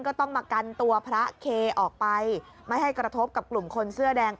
ก็ต้องมากันตัวพระเคออกไปไม่ให้กระทบกับกลุ่มคนเสื้อแดง